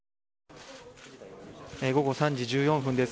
午後３時１４分です。